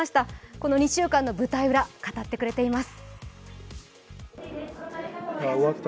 この２週間の舞台裏語ってくれています。